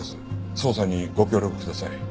捜査にご協力ください。